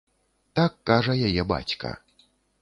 Так кажа яе бацька.